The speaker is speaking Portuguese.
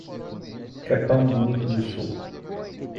Capão Bonito do Sul